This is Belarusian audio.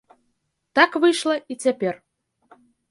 Так выйшла і цяпер.